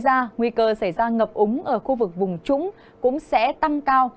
ngoài ra nguy cơ xảy ra ngập úng ở khu vực vùng trũng cũng sẽ tăng cao